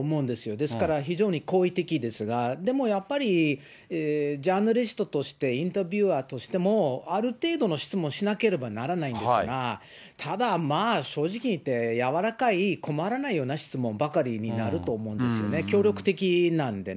ですから、非常に好意的ですが、でもやっぱり、ジャーナリストとして、インタビュアーとしても、ある程度の質問をしなければならないんですが、ただ、まあ、正直言って、やわらかい、困らないような質問ばかりになると思うんですよね、協力的なんでね。